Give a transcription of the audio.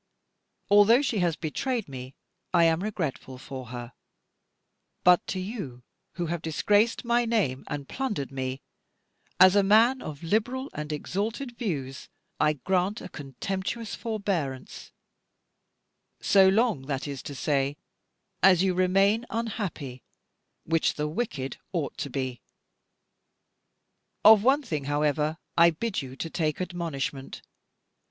Although she has betrayed me, I am regretful for her: but to you who have disgraced my name and plundered me, as a man of liberal and exalted views I grant a contemptuous forbearance; so long, that is to say, as you remain unhappy, which the wicked ought to be. Of one thing, however, I bid you to take admonishment.